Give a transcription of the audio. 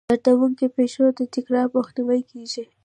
د دردونکو پېښو د تکرار مخنیوی کیږي.